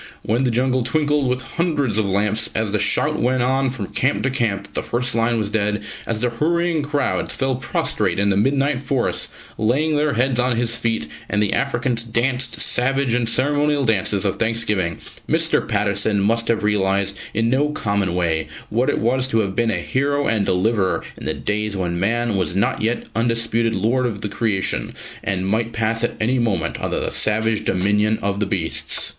When the jungle twinkled with hundreds of lamps, as the shout went on from camp to camp that the first lion was dead, as the hurrying crowds fell prostrate in the midnight forest, laying their heads on his feet, and the Africans danced savage and ceremonial dances of thanksgiving, Mr. Patterson must have realised in no common way what it was to have been a hero and deliverer in the days when man was not yet undisputed lord of the creation, and might pass at any moment under the savage dominion of the beasts."